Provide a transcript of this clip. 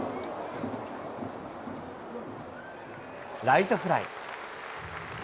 ライトフライ。